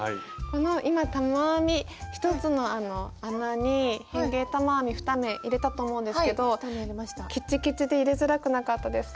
今玉編み１つの穴に変形玉編み２目入れたと思うんですけどきちきちで入れづらくなかったですか？